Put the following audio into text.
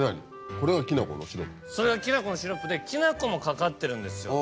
それがきな粉のシロップできな粉もかかってるんですよ。